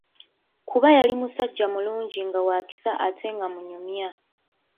Kuba yali musajja mulungi nga wa kisa ate nga munyumya.